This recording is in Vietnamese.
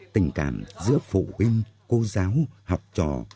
tình cảm giữa phụ huynh cô giáo học trò